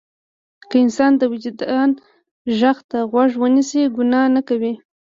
که انسان د وجدان غږ ته غوږ ونیسي ګناه نه کوي.